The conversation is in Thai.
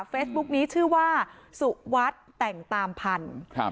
เฟซบุ๊คนี้ชื่อว่าสุวัสดิ์แต่งตามพันธุ์ครับ